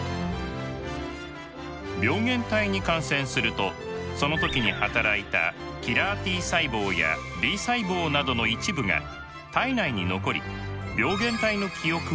病原体に感染するとその時に働いたキラーＴ細胞やＢ細胞などの一部が体内に残り病原体の記憶を持ち続けます。